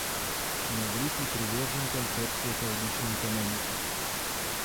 Маврикий привержен концепции экологичной экономики.